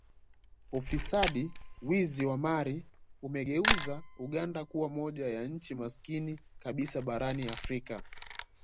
Ufisadi wizi wa mali umegeuza Uganda kuwa moja ya nchi masikini kabisa barani Afrika